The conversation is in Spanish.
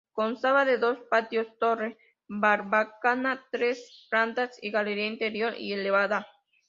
Constaba de dos patios, torre barbacana, tres plantas y galería interior y elevada.